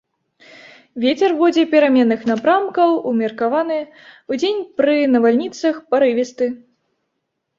Вецер будзе пераменных напрамкаў умеркаваны, удзень пры навальніцах парывісты.